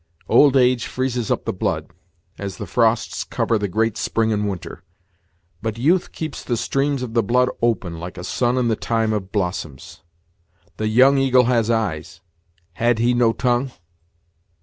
"Old age freezes up the blood, as the frosts cover the great spring in winter; but youth keeps the streams of the blood open like a sun in the time of blossoms. The Young Eagle has eyes; had he no tongue?"